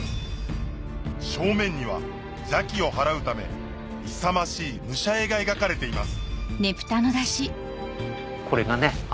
正面には邪気を払うため勇ましい武者絵が描かれています